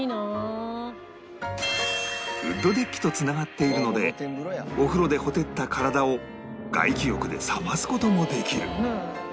ウッドデッキと繋がっているのでお風呂でほてった体を外気浴で冷ます事もできる